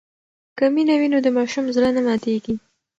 که مینه وي نو د ماشوم زړه نه ماتېږي.